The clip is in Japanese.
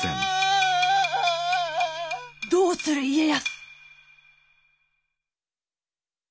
どうする家康。